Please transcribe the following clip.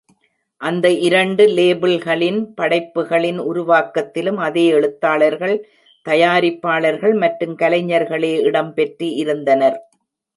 அந்த இரண்டு லேபிள்களின் படைப்புக்களின் உருவாக்கத்திலும் அதே எழுத்தாளர்கள், தயாரிப்பாளர்கள் மற்றும் கலைஞர்களே இடம் பெற்று இருந்தனர்.